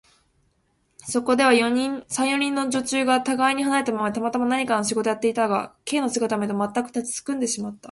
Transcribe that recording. そこでは、三、四人の女中がたがいに離れたままで、たまたま何かの仕事をやっていたが、Ｋ の姿を見ると、まったく立ちすくんでしまった。